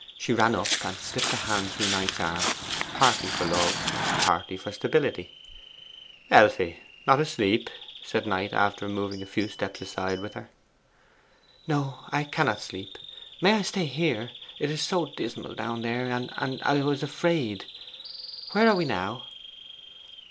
She ran up and slipped her hand through Knight's arm, partly for love, partly for stability. 'Elfie! not asleep?' said Knight, after moving a few steps aside with her. 'No: I cannot sleep. May I stay here? It is so dismal down there, and and I was afraid. Where are we now?